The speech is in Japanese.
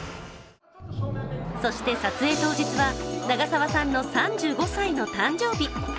そして撮影当日は、長澤さんの３５歳の誕生日。